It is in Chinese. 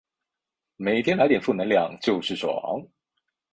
每天来点负能量就是爽